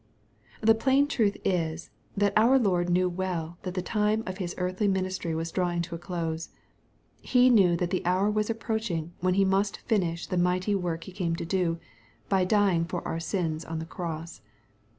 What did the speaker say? The plain truth is, that our Lord knew well that the time of His earthly ministry was drawing to a close. He knew that the hour was approaching when He must finish the mighty work He came to do, by dying for our sins upon the cross.